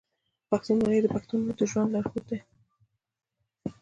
پښتونولي د پښتنو د ژوند لارښود دی.